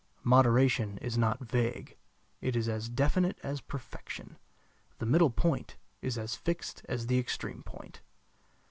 Moderation is not vague; it is as definite as perfection. The middle point is as fixed as the extreme point.